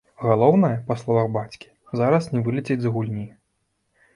Галоўнае, па словах бацькі, зараз не вылецець з гульні.